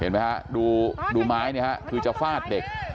เห็นไหมครับดูไม้นี่ครับคือจะฟาดเด็ก